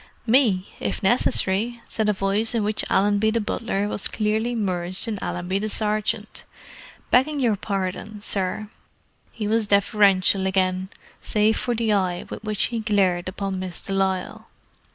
"Me, if necessary," said a voice in which Allenby the butler was clearly merged in Allenby the sergeant. "Begging your pardon, sir." He was deferential again—save for the eye with which he glared upon Miss de Lisle.